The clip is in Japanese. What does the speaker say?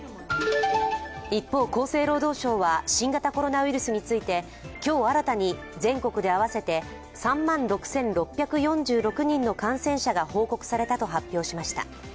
一方、厚生労働省は新型コロナウイルスについて今日新たに全国で合わせて３万６６４６人の感染者が報告されたと発表しました。